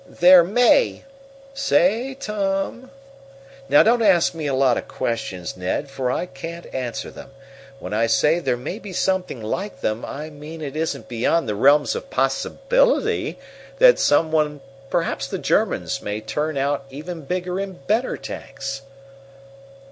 "There may? Say, Tom " "Now don't ask me a lot of questions, Ned, for I can't answer them. When I say there may be something like them, I mean it isn't beyond the realms of possibility that some one perhaps the Germans may turn out even bigger and better tanks."